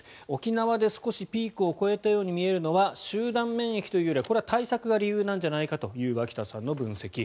沖縄で少しピークを越えたように見えるのは集団免疫というよりは対策が理由なんじゃないかという脇田さんの分析。